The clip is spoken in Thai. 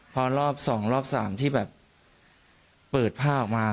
พอรอบ๒รอบ๓ที่แบบเปิดผ้าออกมา